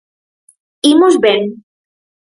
Imos ben.